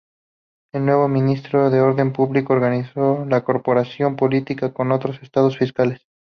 El nuevo ministro de Orden Público organizó la cooperación policial con otros estados fascistas.